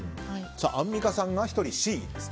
アンミカさんが１人だけＣ。